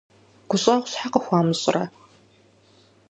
ГущӀэгъу щхьэ къыхуамыщӀрэ?